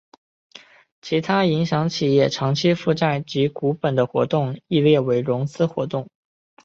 其他影响企业长期负债及股本的活动亦列为融资活动。